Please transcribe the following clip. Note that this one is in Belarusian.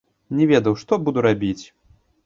Не ведаў, што буду рабіць.